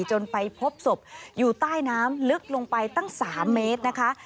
จนไปพบศพอยู่ใต้น้ำลึกลงไปตั้ง๓เมตรนะคะ